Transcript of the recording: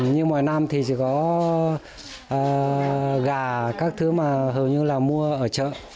như mọi năm thì chỉ có gà các thứ mà hầu như là mua ở chợ